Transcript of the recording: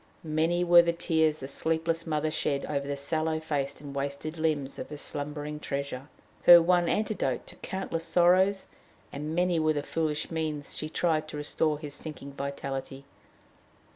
Many were the tears the sleepless mother shed over the sallow face and wasted limbs of her slumbering treasure her one antidote to countless sorrows; and many were the foolish means she tried to restore his sinking vitality.